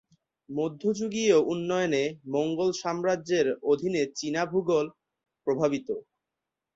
মধ্যযুগীয় উন্নয়নে মোঙ্গল সাম্রাজ্যের অধীনে চীনা ভূগোল প্রভাবিত।